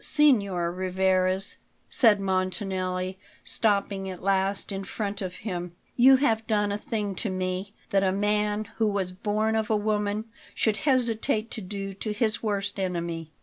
"Signor Rivarez," said Montanelli, stopping at last in front of him, "you have done a thing to me that a man who was born of a woman should hesitate to do to his worst enemy.